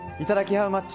ハウマッチ